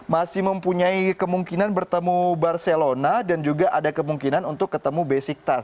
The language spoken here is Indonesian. masih mempunyai kemungkinan bertemu barcelona dan juga ada kemungkinan untuk ketemu basictas